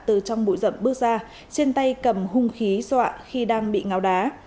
từ trong bụi rậm bước ra trên tay cầm hung khí dọa khi đang bị ngáo đá